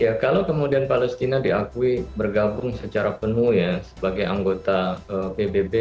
ya kalau kemudian palestina diakui bergabung secara penuh ya sebagai anggota pbb